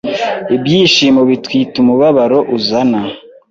Ibyishimo bitwite umubabaro uzana